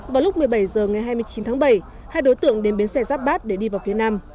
vào lúc một mươi bảy h ngày hai mươi chín tháng bảy hai đối tượng đến bến xe giáp bát để đi vào phía nam